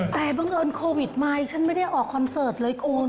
แต่บังเอิญโควิดมาฉันไม่ได้ออกคอนเสิร์ตเลยคุณ